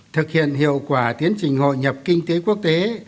thực hiện hiệu quả tiến trình hội nhập kinh tế quốc tế